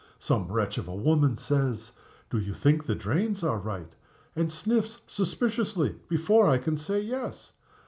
Some wretch of a woman says, 'Do you think the drains are right?' and sniffs suspiciously, before I can say Yes.